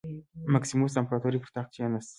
مکسیموس د امپراتورۍ پر تخت کېناست.